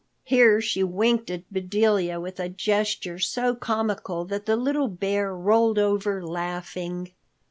Here she winked at Bedelia with a gesture so comical that the little bear rolled over laughing.